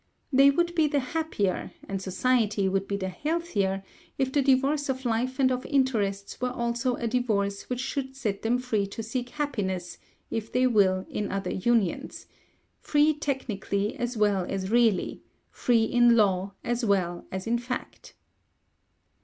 They would be the happier, and society would be the healthier, if the divorce of life and of interests were also a divorce which should set them free to seek happiness, if they will, in other unions free technically as well as really, free in law as well as in fact.